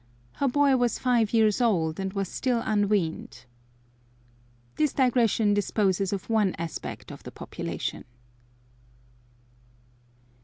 Her boy was five years old, and was still unweaned. This digression disposes of one aspect of the population.